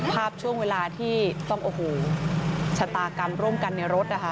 ภาพช่วงเวลาที่ต้องโอ้โหชะตากรรมร่วมกันในรถนะคะ